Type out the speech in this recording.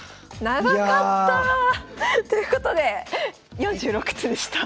長かった！ということで４６手でした。